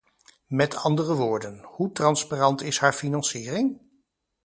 Met andere woorden, hoe transparant is haar financiering?